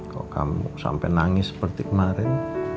kalo kamu sampe nangis seperti kemarin